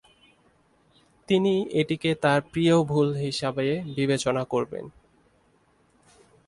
তিনি এটিকে তার "প্রিয় ভুল" হিসাবে বিবেচনা করবেন।